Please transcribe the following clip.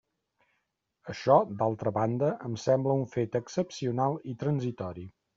Això, d'altra banda, em sembla un fet excepcional i transitori.